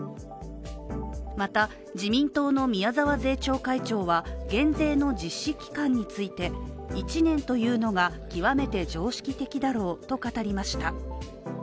また、自民党の宮沢税調会長は減税の実施期間について１年というのが極めて常識的だろうと語りました。